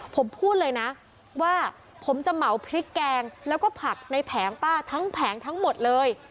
ผมพูดเลยนะว่าผมจะเหมาพริกแกงแล้วก็ผักในแผงป้าทั้งแผงทั้งหมดเลย